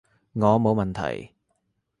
我冇問題